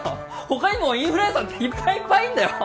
他にもインフルエンサーっていっぱいいっぱいいんだよ